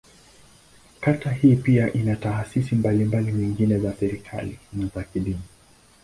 Kata hii pia ina taasisi mbalimbali nyingine za serikali, na za kidini.